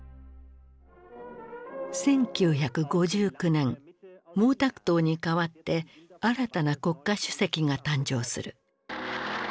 １９５９年毛沢東に代わって新たな国家主席が誕生する。